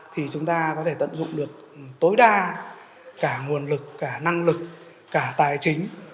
thì chúng ta có thể tận dụng được tối đa cả nguồn lực cả năng lực cả tài chính